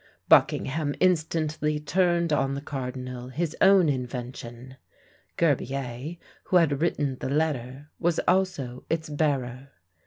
Buckingham instantly turned on the cardinal his own invention. Gerbier, who had written the letter, was also its bearer.